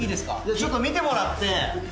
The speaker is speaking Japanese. ちょっと見てもらって。